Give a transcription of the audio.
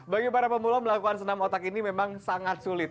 bagi para pemula melakukan senam otak ini memang sangat sulit